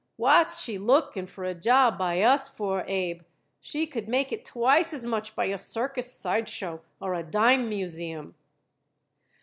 "What's she looking for a job by us for, Abe? She could make it twice as much by a circus sideshow or a dime museum."